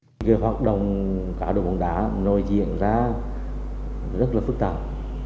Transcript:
về hoạt động cá độ bóng đá nội diện ra rất là phức tạp